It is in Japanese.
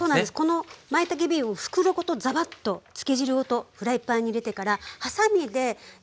このまいたけビーフを袋ごとザバッと漬け汁ごとフライパンに入れてからはさみで一口大